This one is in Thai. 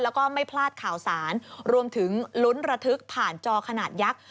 แล้วก็ไม่พลาดข่าวสารรวมถึงลุ้นระทึกผ่านจอขนาดยักษ์